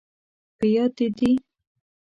په یاد، دې دي؟